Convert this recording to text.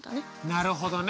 なるほどね。